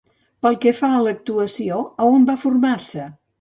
Pel que fa a l'actuació, a on va formar-se?